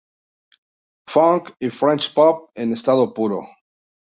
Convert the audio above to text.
Funk y french pop en estado puro.